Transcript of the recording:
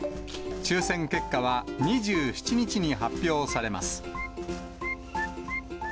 抽せん結果は２７日に発表されます。